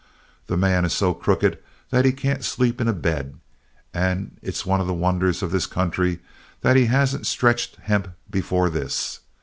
"That man is so crooked that he can't sleep in a bed, and it's one of the wonders of this country that he hasn't stretched hemp before this.